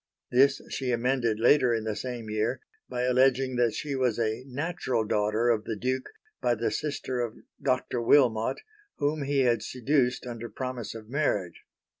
This she amended later in the same year by alleging that she was a natural daughter of the Duke by the sister of Doctor Wilmot, whom he had seduced under promise of marriage.